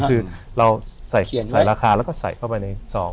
คือเราใส่ราคาแล้วก็ใส่เข้าไปในสอง